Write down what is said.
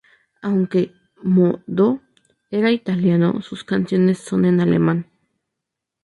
Aunque Mo-Do era Italiano, sus canciones son en alemán.